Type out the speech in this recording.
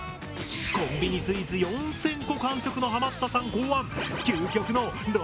コンビニスイーツ４０００個完食のハマったさん考案